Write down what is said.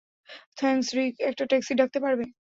Thanks Rick, একটা taxi ডাকতে পারবে?